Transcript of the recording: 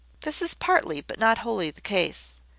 This is partly, but not wholly the case.